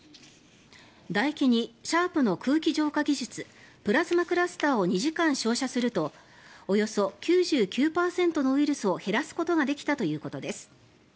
だ液にシャープの空気浄化技術プラズマクラスターを２時間照射するとおよそ９９％のウイルスを減らすことができたということです。